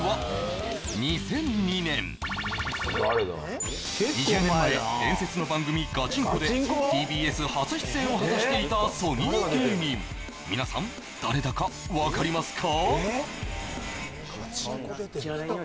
知らなかった２０年前伝説の番組「ガチンコ！」でＴＢＳ初出演を果たしていたソニー芸人皆さん誰だか分かりますか？